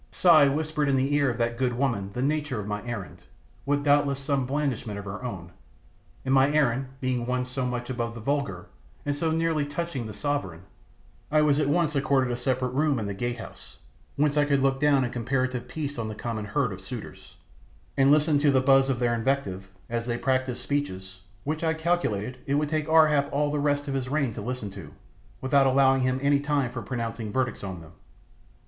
Si whispered in the ear of that good woman the nature of my errand, with doubtless some blandishment of her own; and my errand being one so much above the vulgar and so nearly touching the sovereign, I was at once accorded a separate room in the gate house, whence I could look down in comparative peace on the common herd of suitors, and listen to the buzz of their invective as they practised speeches which I calculated it would take Ar hap all the rest of his reign to listen to, without allowing him any time for pronouncing verdicts on them.